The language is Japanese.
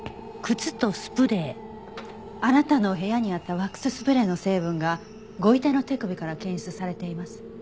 あなたの部屋にあったワックススプレーの成分がご遺体の手首から検出されています。